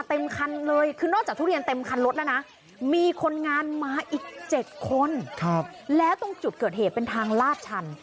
เต็มคันลดแล้วนะมีคนงานมาอีกเจ็ดคนครับแล้วตรงจุดเกิดเหตุเป็นทางลาดชัน